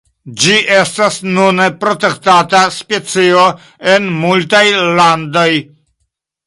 Ĝi estas nune protektata specio en multaj landoj.